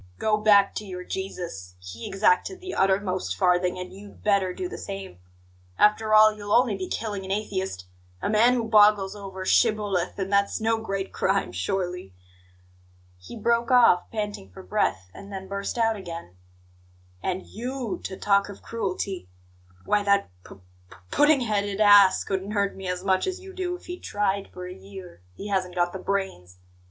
Go back to your Jesus; he exacted the uttermost farthing, and you'd better do the same. After all, you'll only be killing an atheist a man who boggles over 'shibboleth'; and that's no great crime, surely!" He broke off, panting for breath, and then burst out again: "And YOU to talk of cruelty! Why, that p p pudding headed ass couldn't hurt me as much as you do if he tried for a year; he hasn't got the brains.